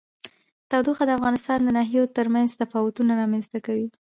تودوخه د افغانستان د ناحیو ترمنځ تفاوتونه رامنځ ته کوي.